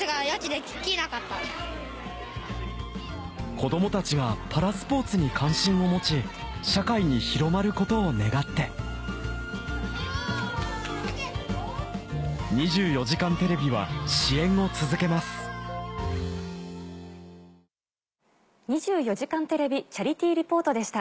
・子供たちがパラスポーツに関心を持ち社会に広まることを願って『２４時間テレビ』は支援を続けます「２４時間テレビチャリティー・リポート」でした。